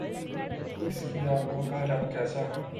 اس کی آنکھوں کا رنگ کیسا ہے